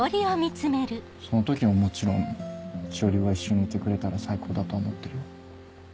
その時はもちろん志織が一緒にいてくれたら最高だとは思ってるよ。